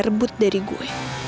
yang dia rebut dari gue